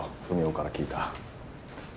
文雄から聞いた。